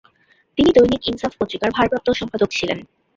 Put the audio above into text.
তিনি দৈনিক ইনসাফ পত্রিকার ভারপ্রাপ্ত সম্পাদক ছিলেন।